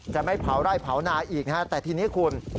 จะไม่เผาไร่เผานาอีกนะฮะแต่ทีนี้คุณ